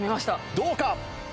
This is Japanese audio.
どうか！？